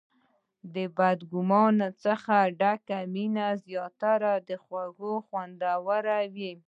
د بد ګمانۍ څخه ډکه مینه لا زیاته خوږه او خوندوره وي.